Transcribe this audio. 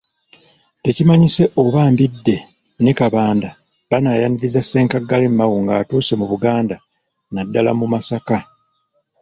Tekimanyise oba Mbidde ne Kabanda banaayaniriza Ssenkaggale Mao ng'atuuse mu Buganda naddala mu Masaka.